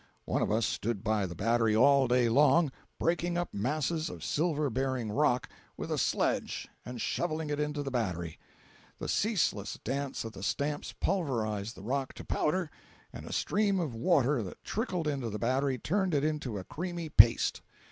One of us stood by the battery all day long, breaking up masses of silver bearing rock with a sledge and shoveling it into the battery. The ceaseless dance of the stamps pulverized the rock to powder, and a stream of water that trickled into the battery turned it to a creamy paste.